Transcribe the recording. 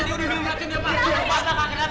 dia udah minum racun ya pak